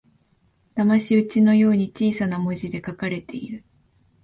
だまし討ちのように小さな文字で書かれている